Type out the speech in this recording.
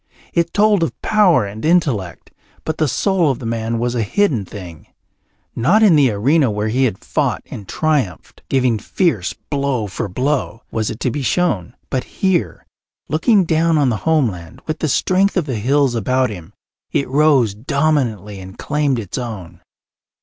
It told of power and intellect, but the soul of the man was a hidden thing. Not in the arena where he had fought and triumphed, giving fierce blow for blow, was it to be shown; but here, looking down on the homeland, with the strength of the hills about him, it rose dominantly and claimed its own.